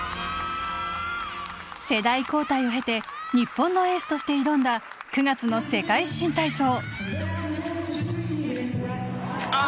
世代交代を経て日本のエースとして挑んだ９月の世界新体操。